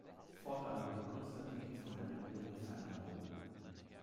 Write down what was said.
Fortan wurde Konstantin von der Regierung ferngehalten.